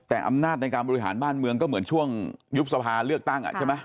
แต่อำนาจในการบริหารบ้านเมืองก็เหมือนช่วงยุบสภาเลือกตั้งใช่ไหม